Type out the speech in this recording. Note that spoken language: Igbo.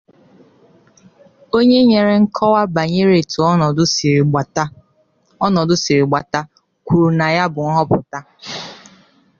onye nyere nkọwa banyere etu ọnọdụ siri gbata kwụrụ na ya bụ nhọpụta